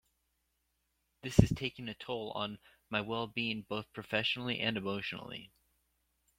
This is taking a toll on my well-being both professionally and emotionally.